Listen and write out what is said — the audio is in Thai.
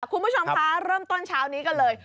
คุณผู้ชมคะเริ่มต้นเช้านี้กันเลย